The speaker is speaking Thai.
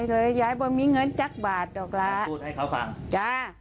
แล้วมันว่าไงต่อ